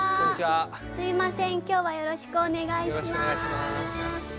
すいません今日はよろしくお願いします。